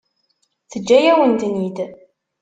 Teǧǧa-yawen-ten-id.